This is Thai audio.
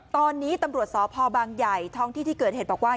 ตอนนี้ตำรวจสพบางใหญ่ท้องที่ที่เกิดเหตุบอกว่า